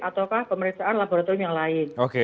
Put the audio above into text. ataukah pemeriksaan laboratorium yang lain